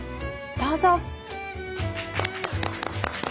どうぞ！